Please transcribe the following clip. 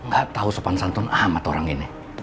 gak tahu sopan santun amat orang ini